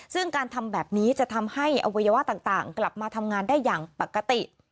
ซึ่งการทำแบบนี้จะทำให้อวัยวะต่างกลับมาทำงานได้อย่างปกติ